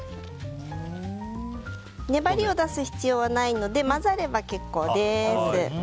粘りを出す必要はないので混ざれば結構です。